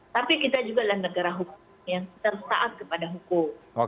tapi kita juga adalah negara hukum yang harus taat kepada hukum